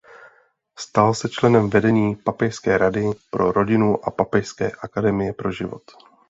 Stal se členem vedení Papežské rady pro rodinu a Papežské akademie pro život.